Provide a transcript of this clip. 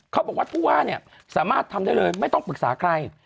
เขาบอกว่าผู้ว่าเนี่ยสามารถทำได้เลยไม่ต้องปรึกษาใคร